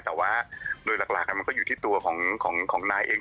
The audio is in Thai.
แต่ว่าโดยหลักมันก็อยู่ที่ตัวของนายเอง